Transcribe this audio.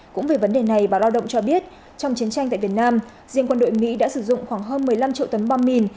cũng về vấn đề này báo lao động cho biết trong chiến tranh tại việt nam riêng quân đội mỹ đã sử dụng khoảng hơn một mươi năm triệu tấn bom mìn